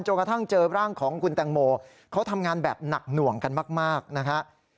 กระทั่งเจอร่างของคุณแตงโมเขาทำงานแบบหนักหน่วงกันมากนะฮะ